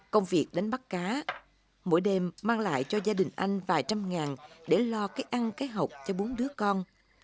công việc đánh bắt cá mỗi đêm mang lại cho gia đình anh vài trăm ngàn để lo cái ăn cái hộp cho bốn đứa con